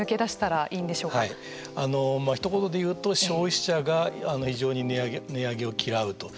はい、ひと言でいうと消費者が異常に値上げを嫌うと。